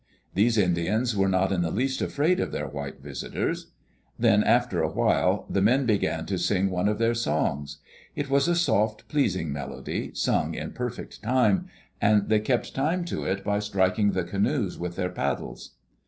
These Indians were not in the least afraid of their white visitors. Then after a while the men began Digitized by CjOOQ IC CAPTAIN COOK^S ADVENTURES to sing one of their songs. It was a soft, pleasing melody, sung in perfect time, and they kept time to it by striking the canoes with their paddles.